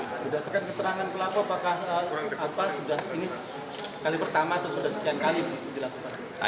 berdasarkan keterangan pelaku apakah sudah ini kali pertama atau sudah sekian kali dilakukan